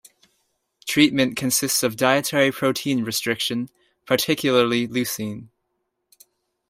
Treatment consists of dietary protein restriction, particularly leucine.